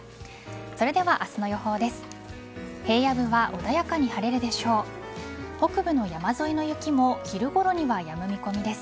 それでは明日の予報です。